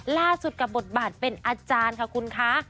ล่าสุดกับบทบาทเป็นอาจารย์ค่ะคุณคะ